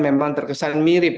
memang terkesan mirip